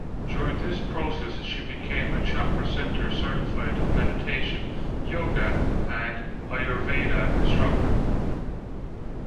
During this process she became a Chopra Center certified meditation, yoga and ayurveda instructor.